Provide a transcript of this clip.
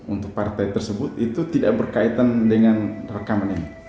untuk partai tersebut itu tidak berkaitan dengan rekaman ini